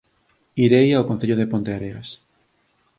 Irei ao Concello de Ponteareas